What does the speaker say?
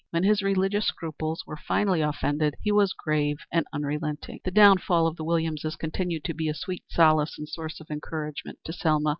When his religious scruples were finally offended, he was grave and unrelenting. The downfall of the Williamses continued to be a sweet solace and source of encouragement to Selma.